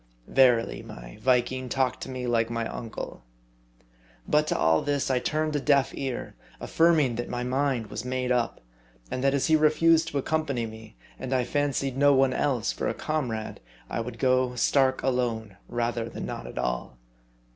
Verily, my Viking talked to me like my uncle. But to all this I turned a deaf ear ; affirming that my mind was made up ; and that as he refused to accompany me, and I fancied no one else for a comrade, I would go stark alone rather than not at all.